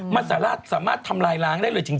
มันสามารถทำลายล้างได้เลยจริง